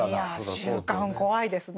いや習慣怖いですねぇ。